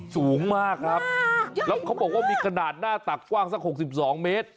สูงเยอะมากครับแล้วท่านบอกว่ามีขนาดหน้าตักกว้างสิบสี่สามไม้